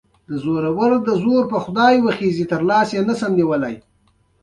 د خپلې دندې لپاره واضح اهداف ټاکل پکار دي.